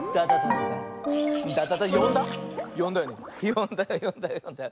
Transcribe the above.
よんだよよんだよよんだよ。